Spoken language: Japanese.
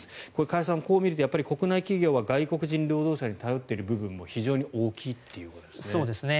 加谷さん、こう見ると国内企業は外国人労働者に頼っている部分も非常に大きいということですね。